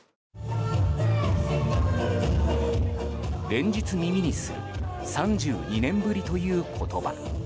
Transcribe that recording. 連日、耳にする３２年ぶりという言葉。